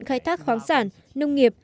khai thác khoáng sản nông nghiệp